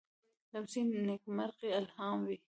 لمسی د نېکمرغۍ الهام وي.